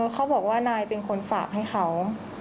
เขาบอกว่านายเป็นคนฝากให้เขา